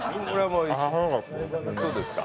そうですか。